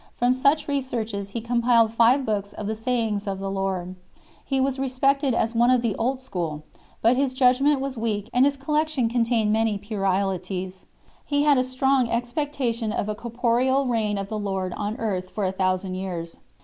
From such researches he compiled .five books of the sayings of the Lord 5 . He was respected as one of the "old school," but his judgment was weak, and his collec tion contained many puerilities. He had a strong expecta tion of a corporeal reign of the Lord on earth for a thousand years.